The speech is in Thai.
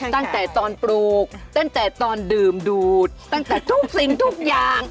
ตั้งแต่ตอนปลูกตั้งแต่ตอนดื่มดูดตั้งแต่ทุกสิ่งทุกอย่าง